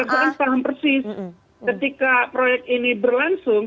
itu yang saya paham persis ketika proyek ini berlangsung